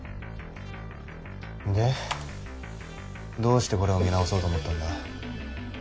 でどうしてこれを見直そうと思ったんだ？